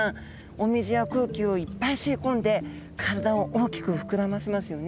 お水や空気をいっぱい吸い込んで体を大きく膨らませますよね。